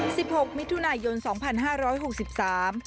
หกมิถุนายนสองพันห้าร้อยหกสิบสาม